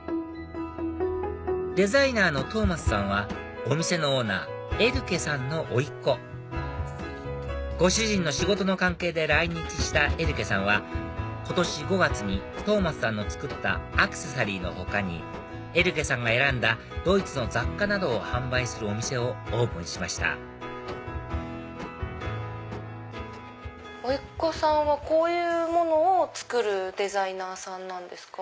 デザイナーのトーマスさんはお店のオーナーエルケさんの甥っ子ご主人の仕事の関係で来日したエルケさんは今年５月にトーマスさんの作ったアクセサリーの他にエルケさんが選んだドイツの雑貨などを販売するお店をオープンしました甥っ子さんはこういうものを作るデザイナーさんなんですか？